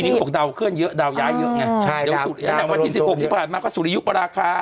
แต่ปีนี้ก็ดาวเคลื่อนเยอะดาวย้ายเยอะไงใช่ครับอันดับวันที่สิบหกที่ผ่านมาก็สุริยุปราคา